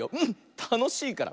たのしいから。